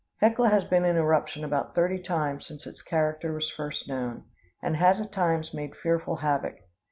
Hecla has been in eruption about thirty times since its character was first known, and has at times made fearful havoc.